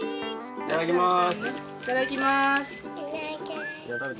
いただきます。